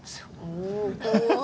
お。